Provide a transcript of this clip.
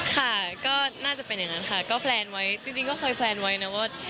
ค่ะก็น่าจะเป็นอย่างนั้นค่ะก็แพลนไว้จริงก็เคยแพลนไว้นะว่า